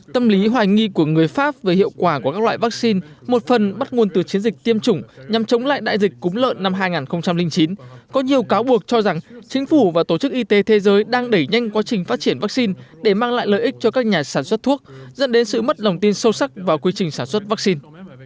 tâm lý hoài nghi của người pháp về hiệu quả của các loại vaccine một phần bắt nguồn từ chiến dịch tiêm chủng nhằm chống lại đại dịch cúng lợn năm hai nghìn chín có nhiều cáo buộc cho rằng chính phủ và tổ chức y tế thế giới đang đẩy nhanh quá trình phát triển vaccine để mang lại lợi ích cho các nhà sản xuất thuốc dẫn đến sự mất đồng tin sâu sắc vào quy trình sản xuất vaccine